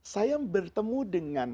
saya bertemu dengan